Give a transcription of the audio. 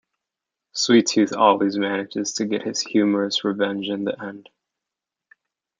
Sweet Tooth always manages to get his humorous revenge in the end.